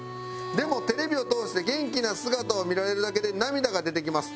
でもテレビを通して元気な姿を見られるだけで涙が出てきます。